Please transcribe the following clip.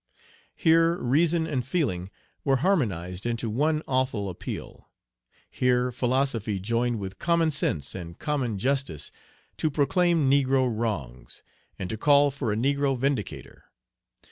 Here reason and feeling were harmonized into one awful appeal. Here philosophy joined with common sense and common justice, to proclaim negro wrongs, and to call for a negro vindicator.